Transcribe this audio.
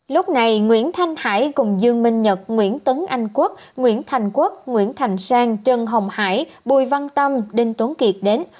lúc này nguyễn thanh hải cùng dương minh nhật nguyễn tấn anh quốc nguyễn thành quốc nguyễn thành sang trần hồng hải bùi văn tâm đinh tuấn kiệt đến